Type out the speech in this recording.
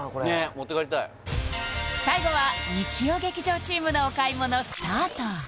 持って帰りたい最後は日曜劇場チームのお買い物スタート